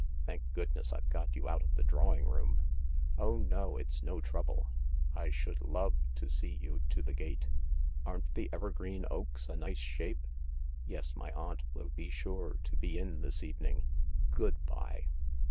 (Thank goodness I've got you out of the drawing room !) Oh no — it's no trouble, I should love to see you to the gate. Aren't the evergreen oaks a nice shape ? Yes, my aunt will be sure to be in this evening. Good bye."